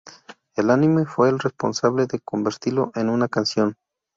El anime, fue el responsable de convertirlo en una canción.